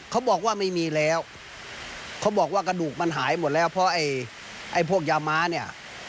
เขาบอกว่าไม่มีแล้วเขาบอกว่ากระดูกมันหายหมดแล้วเพราะไอ้ไอ้พวกยาม้าเนี่ย